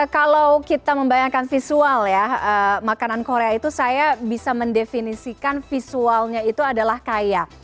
kalau kita membayangkan visual ya makanan korea itu saya bisa mendefinisikan visualnya itu adalah kaya